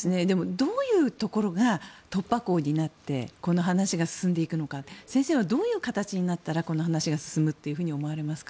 どういうところが突破口になってこの話が進んでいくのか先生はどういう形になれば進むと思いますか。